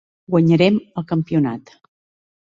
Guanyarem el campionat!